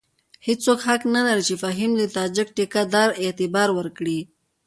هېڅوک حق نه لري چې فهیم ته د تاجک ټیکه دار اعتبار ورکړي.